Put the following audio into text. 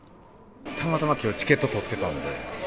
たまたまきょう、チケット取ってたんで。